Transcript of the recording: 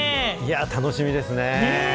楽しみですね！